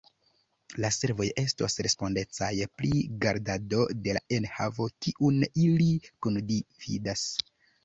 La servoj estos respondecaj pri gardado de la enhavo kiun ili kundividas.